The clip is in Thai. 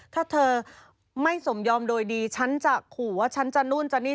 ถ้าเธอไม่สมยอมโดยดีฉันจะขู่ว่าฉันจะนู่นจะนี่